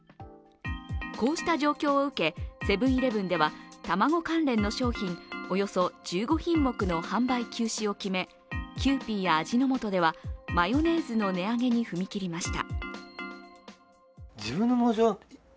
こうした状況を受け、セブン−イレブンでは卵関連の商品およそ１５品目の販売休止を決めキユーピーや味の素ではマヨネーズの値上げに踏み切りました。